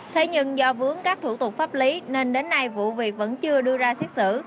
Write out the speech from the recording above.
thế nhưng do vướng các thủ tục pháp lý nên đến nay vụ việc vẫn chưa đưa ra xét xử